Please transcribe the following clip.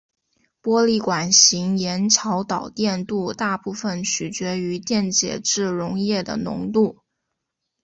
玻璃管型盐桥导电度大部分取决于电解质溶液的浓度。